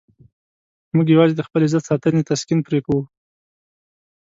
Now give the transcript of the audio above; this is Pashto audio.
موږ یوازې د خپل عزت ساتنې تسکین پرې کوو.